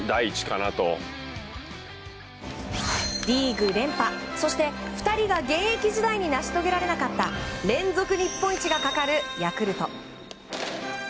リーグ連覇そして２人が現役時代に成し遂げられなかった連続日本一がかかるヤクルト。